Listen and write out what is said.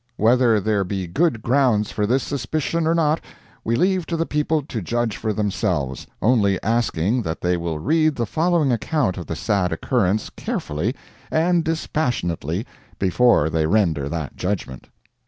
Whether there be good grounds for this suspicion or not, we leave to the people to judge for themselves, only asking that they will read the following account of the sad occurrence carefully and dispassionately before they render that judgment.